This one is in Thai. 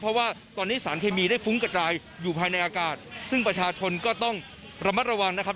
เพราะว่าตอนนี้สารเคมีได้ฟุ้งกระจายอยู่ภายในอากาศซึ่งประชาชนก็ต้องระมัดระวังนะครับ